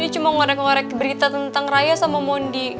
cuma ngorek ngorek berita tentang raya sama mondi